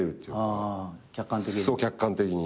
あ客観的に？